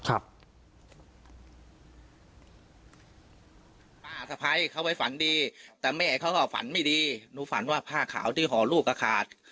ป้าสะพ้ายเขาไปฝันดีแต่แม่เขาก็ฝันไม่ดีหนูฝันว่าผ้าขาวที่ห่อลูกก็ขาด